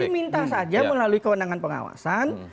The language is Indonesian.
jadi minta saja melalui kewenangan pengawasan